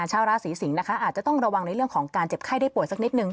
ชาวราศีสิงศ์นะคะอาจจะต้องระวังในเรื่องของการเจ็บไข้ได้ป่วยสักนิดนึง